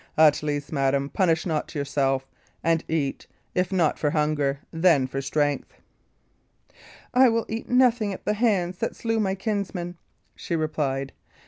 At least, madam, punish not yourself; and eat, if not for hunger, then for strength." "I will eat nothing at the hands that slew my kinsman," she replied.